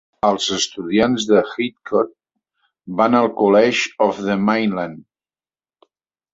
Els estudiants de Hitchcock van al College of the Mainland.